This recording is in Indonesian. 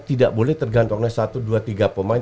tidak boleh tergantungnya satu dua tiga pemain